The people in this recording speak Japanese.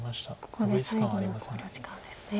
ここで最後の考慮時間ですね。